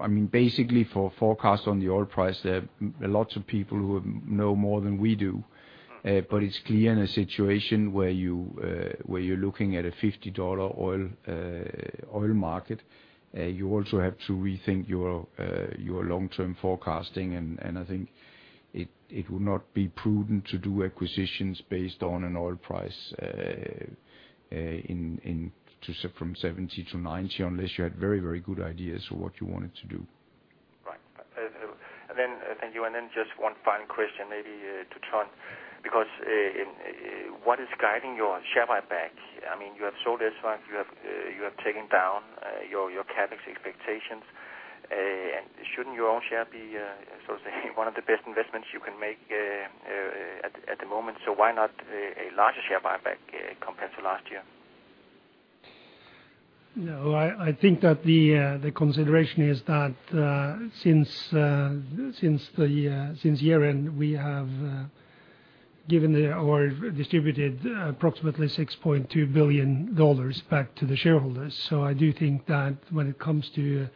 I mean, basically for forecast on the oil price, there are lots of people who know more than we do. But it's clear in a situation where you, where you're looking at a $50 oil market, you also have to rethink your long-term forecasting. I think it would not be prudent to do acquisitions based on an oil price from $70 to $90 unless you had very, very good ideas for what you wanted to do. Right. Thank you. Just one final question, maybe, to Trond, because what is guiding your share buyback? I mean, you have sold Svitzer, you have taken down your CapEx expectations. Shouldn't your own share be, so to say, one of the best investments you can make at the moment? Why not a larger share buyback compared to last year? No, I think that the consideration is that since year end, we have given or distributed approximately $6.2 billion back to the shareholders. I do think that when it comes to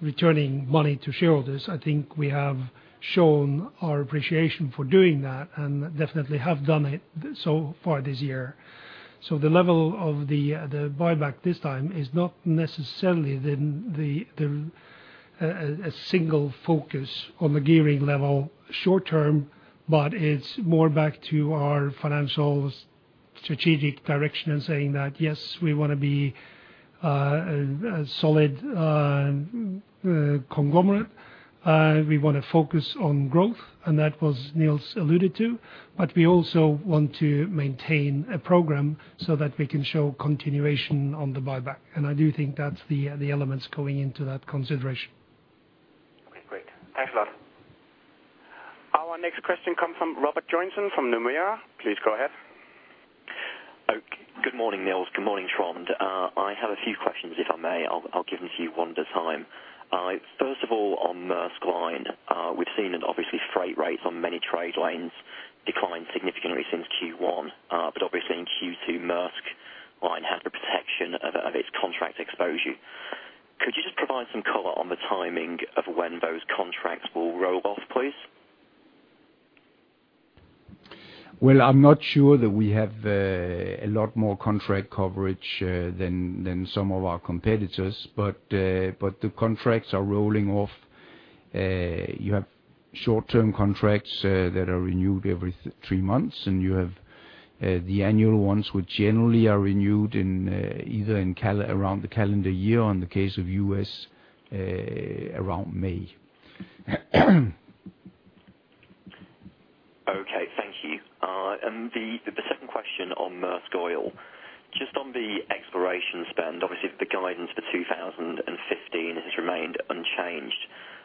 returning money to shareholders, I think we have shown our appreciation for doing that and definitely have done it so far this year. The level of the buyback this time is not necessarily a single focus on the gearing level short term, but it's more back to our financial strategic direction and saying that, yes, we wanna be a solid conglomerate. We wanna focus on growth, and that was Nils alluded to, but we also want to maintain a program so that we can show continuation on the buyback. I do think that's the elements going into that consideration. Okay, great. Thanks a lot. Our next question comes from Robert Joynson from Nomura. Please go ahead. Okay. Good morning, Nils. Good morning, Trond. I have a few questions, if I may. I'll give them to you one at a time. First of all, on Maersk Line, we've seen that obviously freight rates on many trade lines declined significantly since Q1. But obviously in Q2, Maersk Line has the protection of its contract exposure. Could you just provide some color on the timing of when those contracts will roll off, please? Well, I'm not sure that we have a lot more contract coverage than some of our competitors. The contracts are rolling off. You have short-term contracts that are renewed every three months, and you have the annual ones, which generally are renewed either around the calendar year or, in the case of U.S., around May. Okay, thank you. The second question on Maersk Oil, just on the exploration spend, obviously the guidance for 2015 has remained unchanged.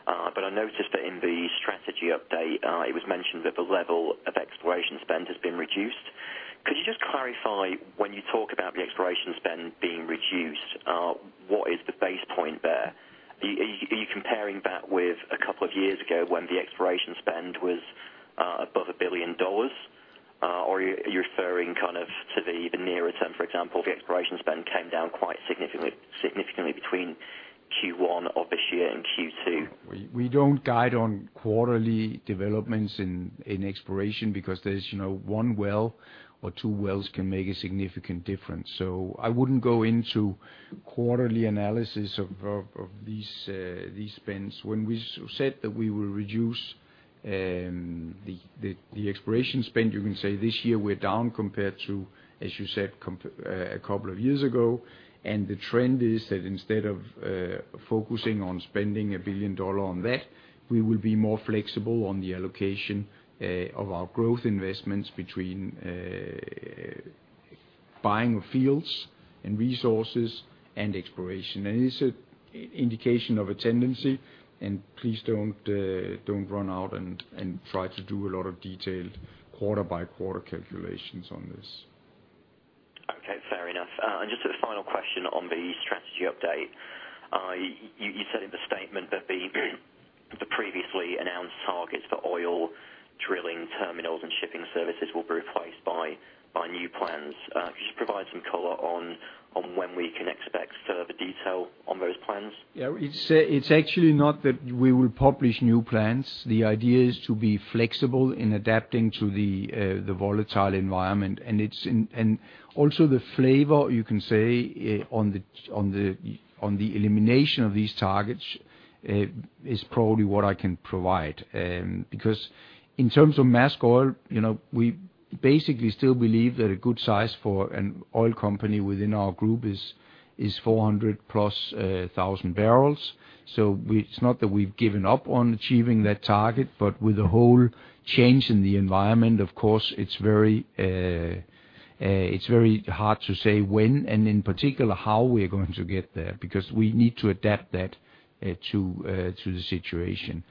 I noticed that in the strategy update, it was mentioned that the level of exploration spend has been reduced. Could you just clarify, when you talk about the exploration spend being reduced, what is the base point there? Are you comparing that with a couple of years ago when the exploration spend was above $1 billion? Or are you referring kind of to the nearer term, for example, the exploration spend came down quite significantly between Q1 of this year and Q2? We don't guide on quarterly developments in exploration because there's, you know, one well or two wells can make a significant difference. I wouldn't go into quarterly analysis of these spends. When we said that we will reduce the exploration spend, you can say this year we're down compared to, as you said, a couple of years ago. The trend is that instead of focusing on spending $1 billion on that, we will be more flexible on the allocation of our growth investments between buying fields and resources and exploration. It's an indication of a tendency, and please don't run out and try to do a lot of detailed quarter-by-quarter calculations on this. Okay. Fair enough. Just a final question on the strategy update. You said in the statement that the previously announced targets for oil drilling terminals and shipping services will be replaced by new plans. Could you just provide some color on when we can expect further detail on those plans? Yeah. It's actually not that we will publish new plans. The idea is to be flexible in adapting to the volatile environment. Also the flavor, you can say, on the elimination of these targets is probably what I can provide. Because in terms of Maersk Oil, you know, we basically still believe that a good size for an oil company within our group is 400+ 1000 barrels. It's not that we've given up on achieving that target, but with the whole change in the environment, of course, it's very hard to say when, and in particular how we are going to get there because we need to adapt that to the situation.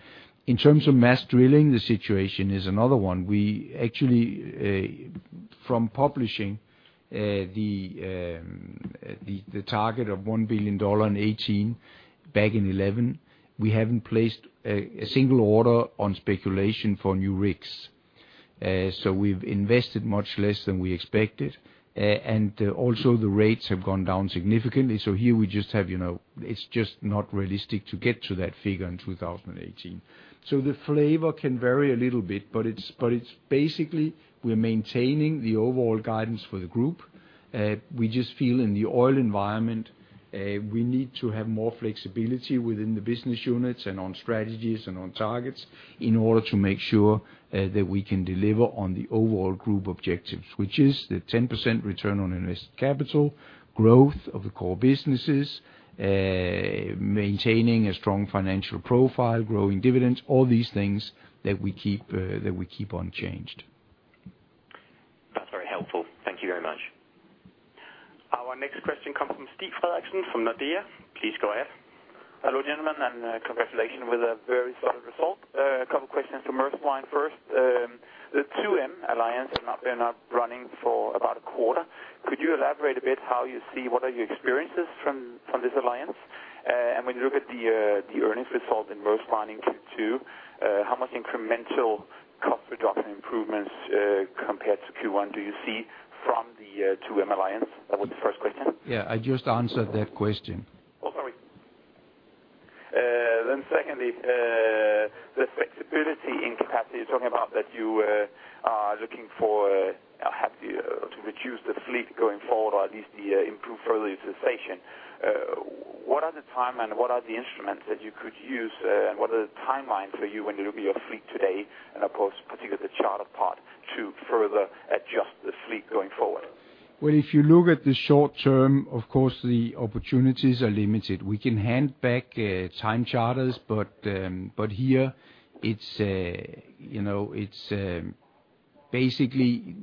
In terms of Maersk Drilling, the situation is another one. We actually from publishing the target of $1 billion in 2018 back in 2011, we haven't placed a single order on speculation for new rigs. We've invested much less than we expected. Also the rates have gone down significantly. Here we just have, you know, it's just not realistic to get to that figure in 2018. The flavor can vary a little bit, but it's basically we're maintaining the overall guidance for the group. We just feel in the oil environment, we need to have more flexibility within the business units and on strategies and on targets in order to make sure that we can deliver on the overall group objectives, which is the 10% return on invested capital, growth of the core businesses, maintaining a strong financial profile, growing dividends, all these things that we keep unchanged. That's very helpful. Thank you very much. Our next question comes from Stig Frederiksen from Nordea. Please go ahead. Hello, gentlemen, and congratulations with a very solid result. A couple of questions for Maersk Line first. The 2M Alliance has now been up and running for about a quarter. Could you elaborate a bit how you see what are your experiences from this alliance? And when you look at the earnings result in Maersk Line in Q2, how much incremental cost reduction improvements compared to Q1 do you see from the 2M Alliance? That was the first question. Yeah. I just answered that question. Oh, sorry. Secondly, the flexibility in capacity you're talking about that you are looking for to reduce the fleet going forward or at least to improve further utilization. What are the times and what are the instruments that you could use, and what are the timelines for you with your fleet today, and of course, particularly the charter part to further adjust the fleet going forward? Well, if you look at the short term, of course, the opportunities are limited. We can hand back time charters, but here it's you know it's basically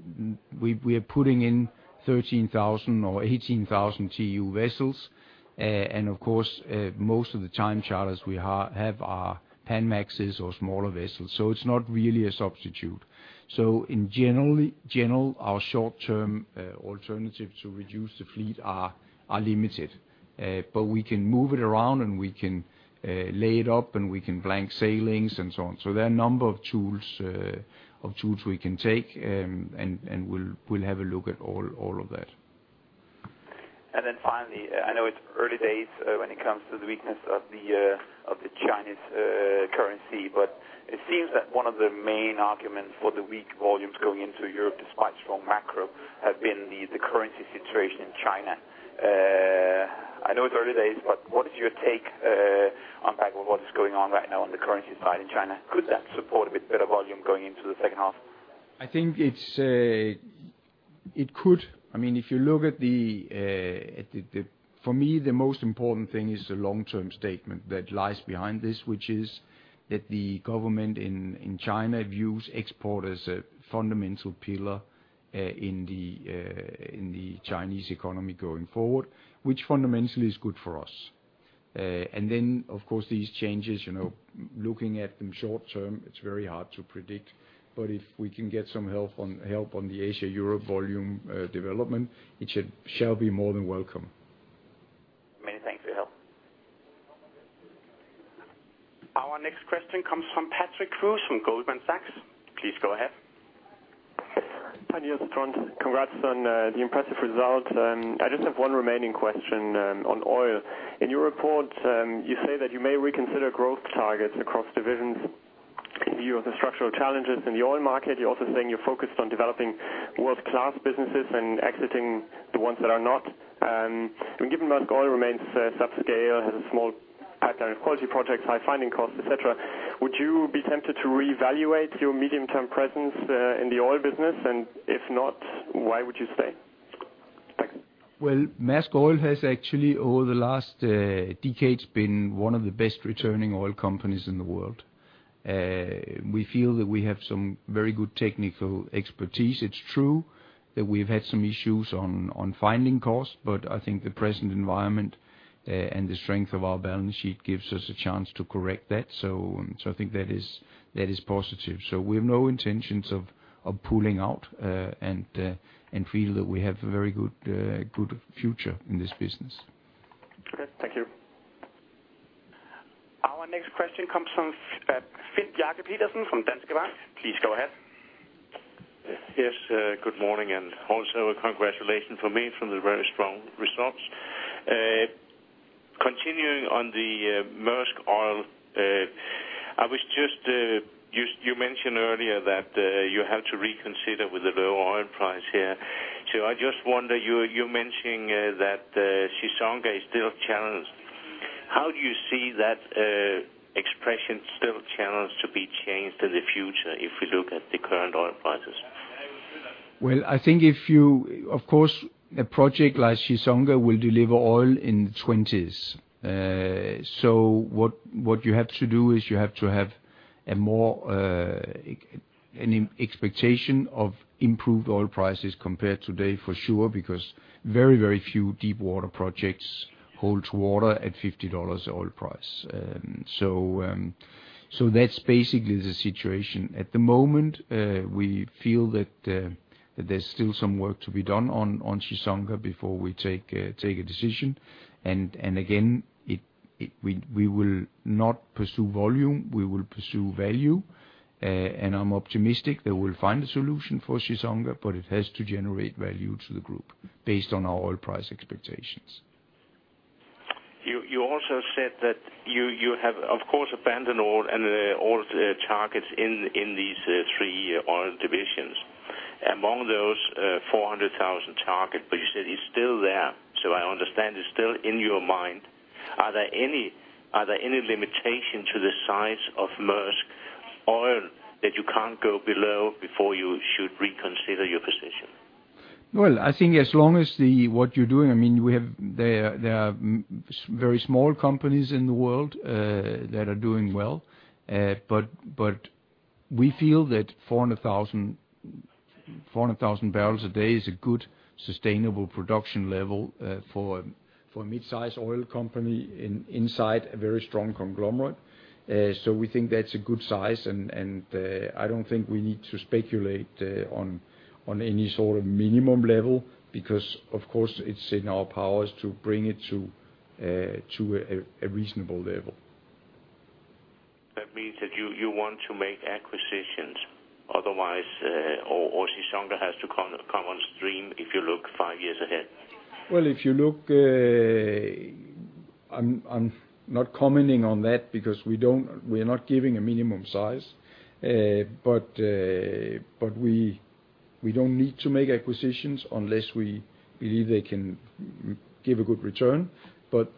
we are putting in 13,000 or 18,000 TEU vessels. Of course, most of the time charters we have are Panamaxes or smaller vessels, so it's not really a substitute. In general, our short-term alternative to reduce the fleet are limited. We can move it around, and we can lay it up, and we can blank sailings and so on. There are a number of tools we can take, and we'll have a look at all of that. Then finally, I know it's early days, when it comes to the weakness of the Chinese currency, but it seems that one of the main arguments for the weak volumes going into Europe, despite strong macro, have been the currency situation in China. I know it's early days, but what is your take on kind of what is going on right now on the currency side in China? Could that support a bit better volume going into the second half? I think it could. I mean, if you look at the... For me, the most important thing is the long-term statement that lies behind this, which is that the government in China views export as a fundamental pillar in the Chinese economy going forward, which fundamentally is good for us. And then, of course, these changes, you know, looking at them short term, it's very hard to predict. If we can get some help on the Asia-Europe volume development, it should be more than welcome. Many thanks for your help. Our next question comes from Patrick Creuset from Goldman Sachs. Please go ahead. Hi, Nils, Trond. Congrats on the impressive results. I just have one remaining question on oil. In your report, you say that you may reconsider growth targets across divisions in view of the structural challenges in the oil market. You're also saying you're focused on developing world-class businesses and exiting the ones that are not. Given Maersk Oil remains subscale, has a small pipeline of quality projects, high finding costs, et cetera, would you be tempted to reevaluate your medium-term presence in the oil business? If not, why would you stay? Well, Maersk Oil has actually over the last decades been one of the best returning oil companies in the world. We feel that we have some very good technical expertise. It's true that we've had some issues on finding costs, but I think the present environment and the strength of our balance sheet gives us a chance to correct that. I think that is positive. We have no intentions of pulling out and feel that we have a very good future in this business. Okay, thank you. Our next question comes from Finn Bjarke Petersen from Danske Bank. Please go ahead. Yes, good morning and also a congratulations from me for the very strong results. Continuing on the Maersk Oil, I was just you mentioned earlier that you have to reconsider with the low oil price here. I just wonder, you're mentioning that Chissonga is still a challenge. How do you see that expression, still a challenge, to be changed in the future if we look at the current oil prices? Well, I think if you, of course, a project like Chissonga will deliver oil in twenties. What you have to do is you have to have more of an expectation of improved oil prices compared to today for sure, because very few deepwater projects hold water at $50 oil price. That's basically the situation. At the moment, we feel that there's still some work to be done on Chissonga before we take a decision. Again, we will not pursue volume, we will pursue value. I'm optimistic that we'll find a solution for Chissonga, but it has to generate value to the group based on our oil price expectations. You also said that you have, of course, abandoned all the targets in these three oil divisions. Among those, 400,000 target, but you said it's still there. I understand it's still in your mind. Are there any limitations to the size of Maersk Oil that you can't go below before you should reconsider your position? Well, I think as long as what you're doing, I mean, we have there are very small companies in the world that are doing well. But we feel that 400,000 barrels a day is a good sustainable production level for a mid-size oil company inside a very strong conglomerate. We think that's a good size and I don't think we need to speculate on any sort of minimum level because, of course, it's in our powers to bring it to a reasonable level. That means that you want to make acquisitions otherwise, or Chissonga has to come on stream if you look five years ahead. Well, if you look, I'm not commenting on that because we don't. We're not giving a minimum size. We don't need to make acquisitions unless we believe they can give a good return.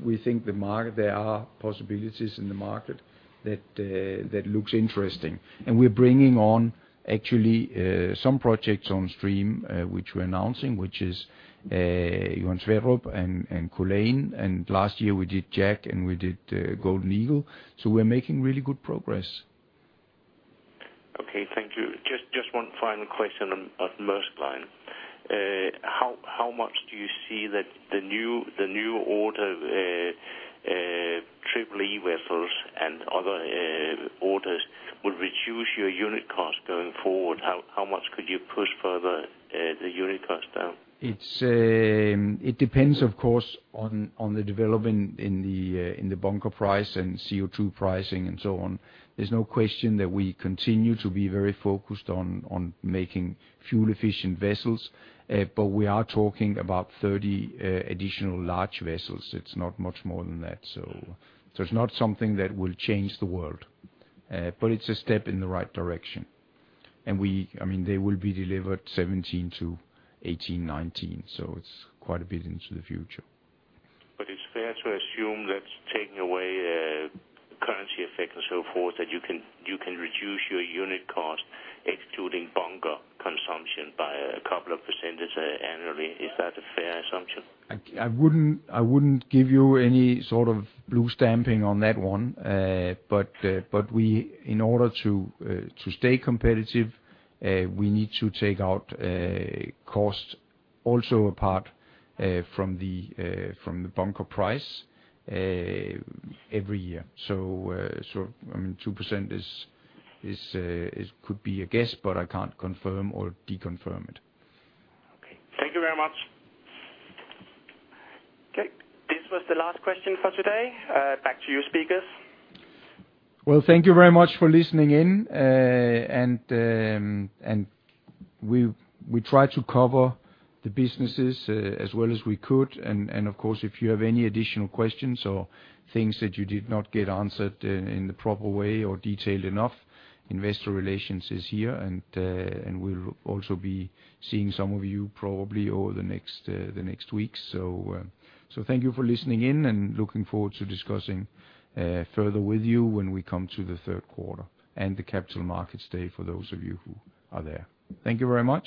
We think the market. There are possibilities in the market that looks interesting. We're bringing on actually some projects on stream, which we're announcing, which is Johan Sverdrup and Culzean. Last year we did Jack and we did Golden Eagle. We're making really good progress. Okay, thank you. Just one final question on Maersk Line. How much do you see that the new order, Triple E vessels and other orders will reduce your unit cost going forward? How much could you push further the unit cost down? It depends of course on the development in the bunker price and CO2 pricing and so on. There's no question that we continue to be very focused on making fuel efficient vessels. But we are talking about 30 additional large vessels. It's not much more than that. It's not something that will change the world. But it's a step in the right direction. I mean, they will be delivered 2017 - 2018, 2019, so it's quite a bit into the future. It's fair to assume that's taking away currency effect and so forth, that you can reduce your unit cost excluding bunker consumption by a couple of percentage annually. Is that a fair assumption? I wouldn't give you any sort of blue stamping on that one. In order to stay competitive, we need to take out costs also apart from the bunker price every year. I mean 2% could be a guess, but I can't confirm or deny it. Okay. Thank you very much. Okay. This was the last question for today. Back to you speakers. Well, thank you very much for listening in. We tried to cover the businesses as well as we could, and of course, if you have any additional questions or things that you did not get answered in the proper way or detailed enough, investor relations is here and we'll also be seeing some of you probably over the next week. Thank you for listening in and looking forward to discussing further with you when we come to the third quarter and the capital markets day for those of you who are there. Thank you very much.